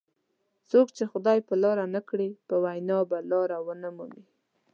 څوک چې خدای په لار نه کړي په وینا به لار ونه مومي.